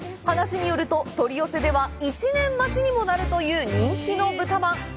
話によると、取り寄せでは１年待ちにもなるという人気の豚まん！